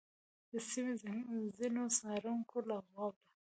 د سیمې د ځینو څارونکو له قوله،